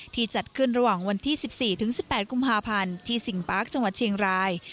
จัดขึ้นระหว่างวันที่๑๔ถึง๑๘กุมภาพันธ์ที่ซิงปาร์คจังหวัดเชียงราย